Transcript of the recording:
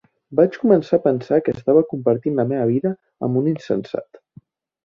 Vaig començar a pensar que estava compartint la meva vida amb un insensat.